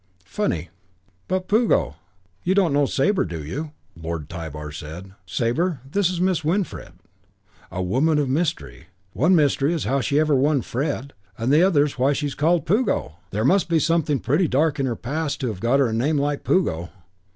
Funny! "But, Puggo, you don't know Sabre, do you?" Lord Tybar said. "Sabre, this is Mrs. Winfred. A woman of mystery. One mystery is how she ever won Fred and the other why she is called Puggo. There must be something pretty dark in her past to have got her a name like Puggo."